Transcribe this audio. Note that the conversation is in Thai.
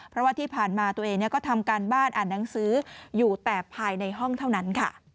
เพราะว่าที่ผ่านมาตัวเองก็ทำการบ้านอ่านหนังสืออยู่แต่ภายในห้องเท่านั้นค่ะ